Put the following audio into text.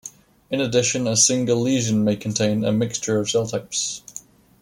In addition, a single lesion may contain a mixture of cell-types.